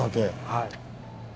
はい。